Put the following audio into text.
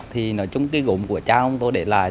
thì nói chung cái gốm của cha ông tôi để lại